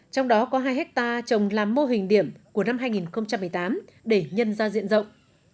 trong đó có hai hectare trồng làm mô hình điểm của năm hai nghìn một mươi tám để nhân ra diện rộng